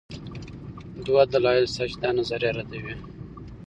دوه دلایل شته چې دا نظریه ردوي.